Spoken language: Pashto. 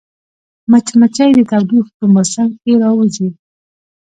مچمچۍ د تودوخې په موسم کې راووځي